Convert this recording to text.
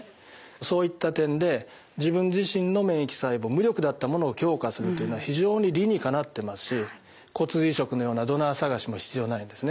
そういった点で自分自身の免疫細胞無力であったものを強化するというのは非常に理にかなっていますし骨髄移植のようなドナー探しも必要ないですね。